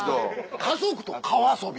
家族と川遊び？